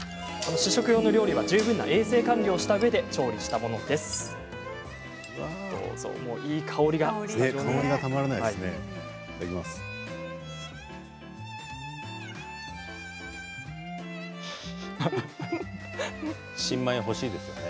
試食用の料理は十分な衛生管理をしたうえで香りがたまらないですね。